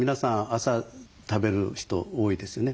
朝食べる人多いですよね。